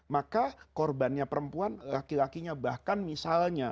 maka korbannya perempuan laki lakinya bahkan misalnya